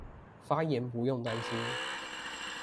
發言不用擔心